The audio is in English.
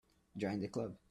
Join the Club.